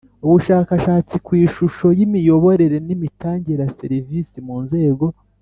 Ubushakashatsi ku ishusho y imiyoborere n imitangire ya serivisi mu nzego